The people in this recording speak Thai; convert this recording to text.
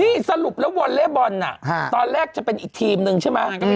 นี่สรุปแล้ววอลเล่บอลน่ะตอนแรกจะเป็นอีกทีมนึงใช่ไหม